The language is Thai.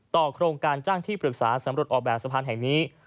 โครงการจ้างที่ปรึกษาสำรวจออกแบบสะพานแห่งนี้